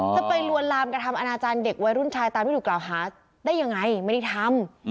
จะไปลวนลามกระทำอนาจารย์เด็กวัยรุ่นชายตามที่ถูกกล่าวหาได้ยังไงไม่ได้ทำ